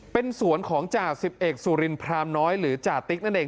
เป็นสวนของจ่าสิบเอกสุรินพรามน้อยหรือจ่าติ๊กนั่นเอง